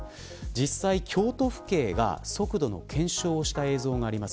実際、京都府警が速度の検証をした映像があります。